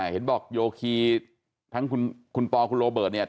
เห็นบอกโยคีทั้งคุณปอคุณโรเบิร์ตเนี่ย